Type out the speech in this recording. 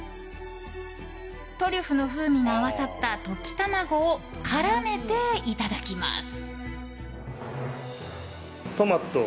トリュフの風味が合わさった溶き卵を絡めていただきます！